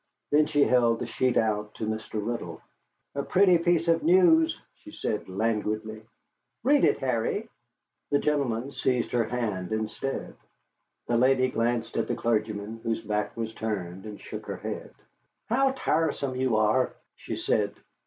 Then she held the sheet out to Mr. Riddle. "A pretty piece of news," she said languidly. "Read it, Harry." The gentleman seized her hand instead. The lady glanced at the clergyman, whose back was turned, and shook her head. "How tiresome you are!" she said.